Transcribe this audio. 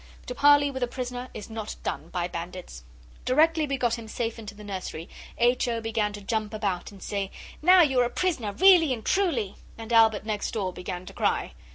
To parley with a prisoner is not done by bandits. Directly we got him safe into the nursery, H. O. began to jump about and say, 'Now you're a prisoner really and truly!' And Albert next door began to cry.